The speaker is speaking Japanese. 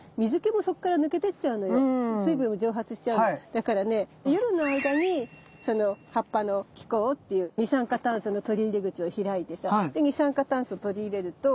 だからね夜の間にその葉っぱの気孔っていう二酸化炭素の取り入れ口を開いてさで二酸化炭素を取り入れるとそれをね